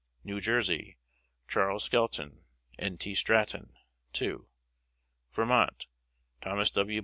New Jersey: Charles Skelton, N. T. Stratton 2. Vermont: Thomas W.